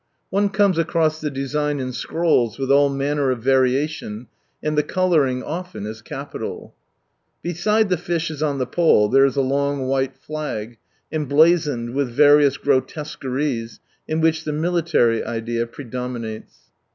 One tomes across the design in scrolls, with all manner of variation, and the colouring often is capital. Beside the fishes on the pole, there is a long white flag, emblazoned with various grotesqueries, in which the military idea predominates.